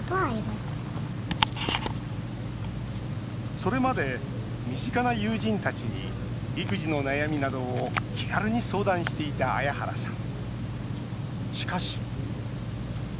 それまで身近な友人たちに育児の悩みなどを気軽に相談していた彩原さん。